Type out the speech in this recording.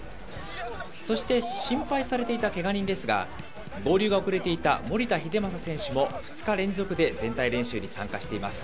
そして心配されていたけが人ですが、合流が遅れていた守田英正選手も、２日連続で全体練習に参加しています。